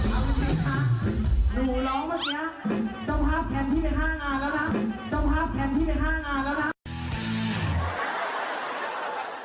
ให้เริ่มราก